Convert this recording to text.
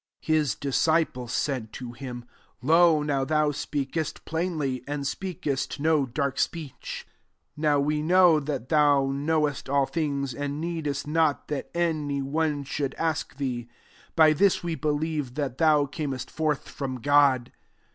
29 His disciples said to him, " Lo, now thou speakest plain ly, and speakest no dark speech. 30 Now, we know that thou knowest all things, and needest not that any one should ask theez by this we believe that thou earnest forth from God."